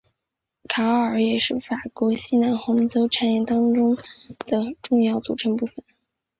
卡奥尔也是法国西南红酒产区当中的重要组成部分。